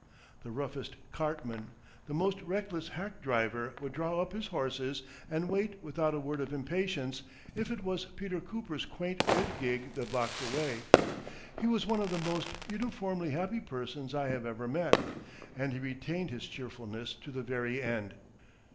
The roughest cartman, the most reckless hack driver would draw up his horses and wait without a word of impatience, if it was Peter Cooper's quaint old gig that blocked the way. He was one of the most uniformly happy persons I have ever met, and he retained his cheerfulness to the very end.